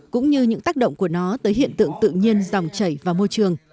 cũng như những tác động của nó tới hiện tượng tự nhiên dòng chảy vào môi trường